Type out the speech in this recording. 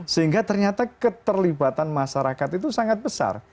sehingga ternyata keterlibatan masyarakat itu sangat besar